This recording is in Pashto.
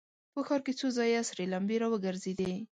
په ښار کې څو ځايه سرې لمبې را وګرځېدې.